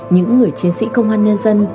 những người chiến sĩ công an nhân dân